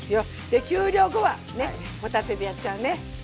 で給料後はね帆立てでやっちゃうね。